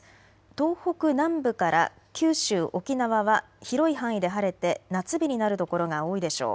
東北南部から九州、沖縄は広い範囲で晴れて夏日になる所が多いでしょう。